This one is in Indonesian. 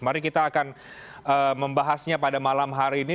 mari kita akan membahasnya pada malam hari ini